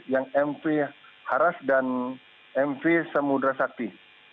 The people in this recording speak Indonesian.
yang mv haras dan mv semudra sakti